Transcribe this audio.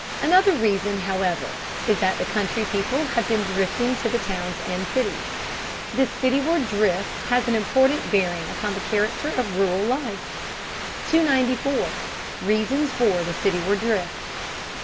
Another reason, however, is that the country people have been drifting to the towns and cities. This cityward drift has an important bearing upon the character of rural life. 294. REASONS FOR THE CITYWARD DRIFT.